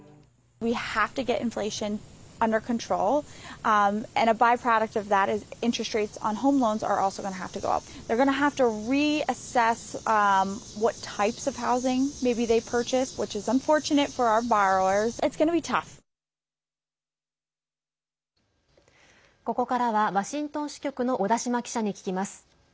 ここからはワシントン支局の小田島記者に聞きます。